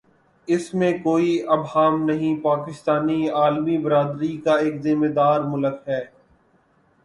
اس میں کوئی ابہام نہیں پاکستان عالمی برادری کا ایک ذمہ دارملک ہے۔